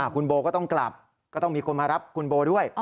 คุณโบก็ต้องกลับก็ต้องมีคนมารับคุณโบด้วย